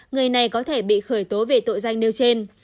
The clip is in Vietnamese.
người này có thể bị khởi tố về tội danh nêu trên